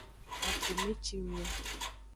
Akume cing yo.